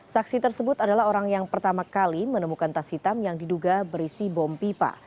saksi tersebut adalah orang yang pertama kali menemukan tas hitam yang diduga berisi bom pipa